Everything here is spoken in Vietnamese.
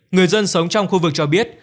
người dân sống trong khu vực cho biết